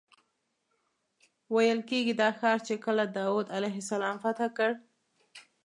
ویل کېږي دا ښار چې کله داود علیه السلام فتح کړ.